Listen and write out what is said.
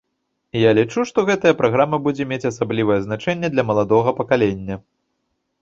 Я лічу, што гэтая праграма будзе мець асаблівае значэнне для маладога пакалення.